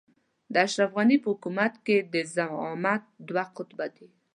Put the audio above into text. د اشرف غني په حکومت کې د زعامت دوه قطبه دي.